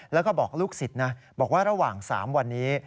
แล้วก็บอกลูกศิษย์นะบอกว่าระหว่าง๓วันนี้